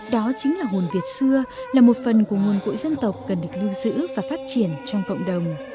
đó chính là hồn việt xưa là một phần của nguồn cội dân tộc cần được lưu giữ và phát triển trong cộng đồng